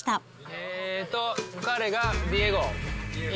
えっと、彼がディエゴ。